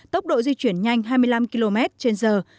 tốc độ di chuyển nhanh hai mươi năm km trên giờ